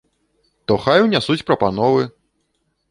То хай унясуць прапановы!